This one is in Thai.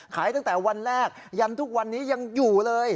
ขายตั้งแต่วันแรกยันทุกวันนี้ยังอยู่เลย